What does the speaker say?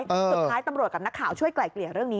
สุดท้ายตำรวจกับนักข่าวช่วยไกล่เกลี่ยเรื่องนี้